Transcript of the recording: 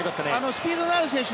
スピードのある選手